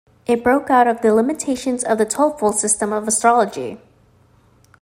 It broke out of the limitations of the twelvefold system of astrology.